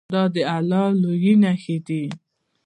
دا د الله د لویۍ نښې دي.